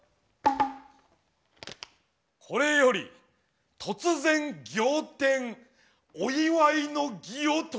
これより突然仰天お祝いの儀を執り行う。